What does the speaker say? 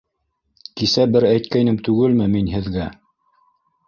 Кисә бер әйткәйнем түгелме мин һеҙгә.